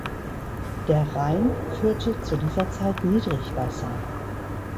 Der Rhein führte zu dieser Zeit Niedrigwasser.